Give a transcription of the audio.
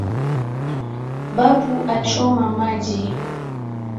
"Babu achoma maji